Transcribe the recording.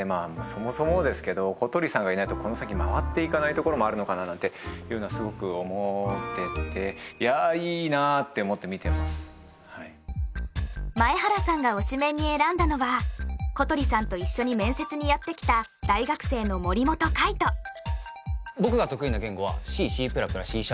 そもそもですけど小鳥さんがいないとこの先回っていかないところもあるのかななんていうのはすごく思ってていやいいなって思って見てます前原さんが推しメンに選んだのは小鳥さんと一緒に面接にやってきた大学生の僕が得意な言語はＣＣ＋＋Ｃ＃